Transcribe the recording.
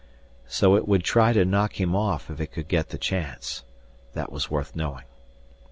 So it would try to knock him off if it could get the chance! That was worth knowing.